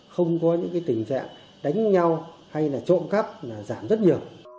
không có những tình trạng đánh nhau hay trộm cắp giảm rất nhiều